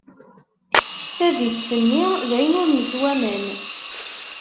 Taddist-nni d ayen ur nettwaman.